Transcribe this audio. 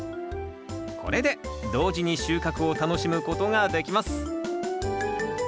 これで同時に収穫を楽しむことができます